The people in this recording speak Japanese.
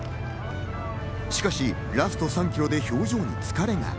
しかしラスト３ｋｍで表情に疲れが。